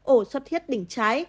ổ suốt huyệt đỉnh trái